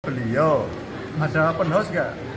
beliau adalah open house gak